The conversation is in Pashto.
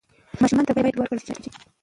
ماشوم ته باید وخت ورکړل شي چې عادت شي.